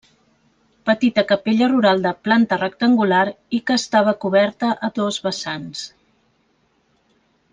Petita capella rural de planta rectangular i que estava coberta a dos vessants.